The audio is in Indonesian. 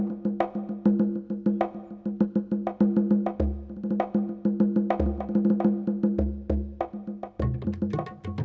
mau apa dikit dikit lah dulu